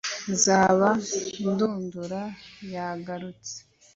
nzaba ndundura yagarutse